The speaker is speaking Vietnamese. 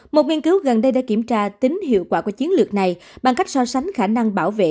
một nghiên cứu gần đây đã kiểm tra tính hiệu quả của chiến lược này bằng cách so sánh khả năng bảo vệ